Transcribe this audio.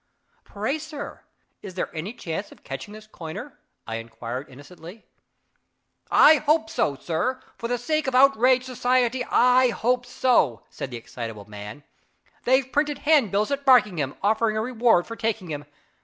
"Pray, sir, is there any chance of catching this coiner?" I inquired innocently. "I hope so, sir; for the sake of outraged society, I hope so," said the excitable man. "They've printed handbills at Barkingham, offering a reward for taking him.